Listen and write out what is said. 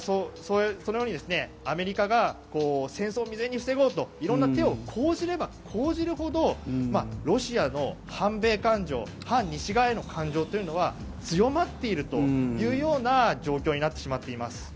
そのようにアメリカが戦争を未然に防ごうと色んな手を講じれば講じるほどロシアの反米感情反西側への感情というのは強まっているというような状況になってしまっています。